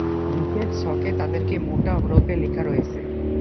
নিচের ছকে তাদেরকে মোটা হরফে লেখা রয়েছে।